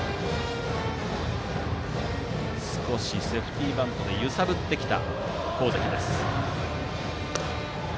少しセーフティーバントで揺さぶってきました。